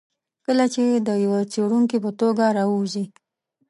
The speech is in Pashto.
کله چې د یوه څېړونکي په توګه راووځي.